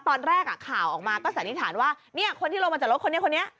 ตอนแรกข่าวออกมาก็สันนิษฐานว่าคนที่ลงมาจากรถคนนี้คนนี้